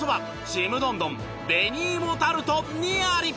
「ちむどんどん」「紅芋タルト」にあり！